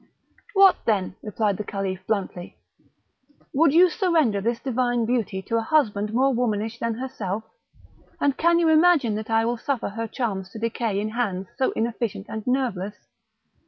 "What then!" replied the Caliph, bluntly, "would you surrender this divine beauty to a husband more womanish than herself? and can you imagine that I will suffer her charms to decay in hands so inefficient and nerveless?